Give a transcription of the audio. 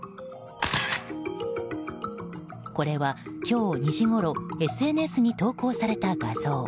これは今日２時ごろＳＮＳに投稿された画像。